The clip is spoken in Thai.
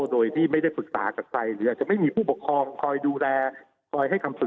โดยที่ไม่ได้ฝึกษากับใครหรืออาจจะไม่มีผู้ปกครองคอยดูแล